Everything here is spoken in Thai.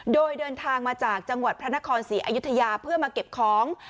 โดยเดินทางมาจากจังหวัดพระนครศรีอยุธยาเพื่อมาเก็บของ